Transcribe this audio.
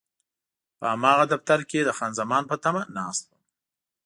په هماغه دفتر کې د خان زمان په تمه ناست وم.